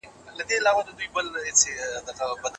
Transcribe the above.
زه به هره ورځ د تاریخ پاڼې اړوم.